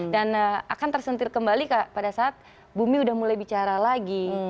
akan tersentir kembali pada saat bumi sudah mulai bicara lagi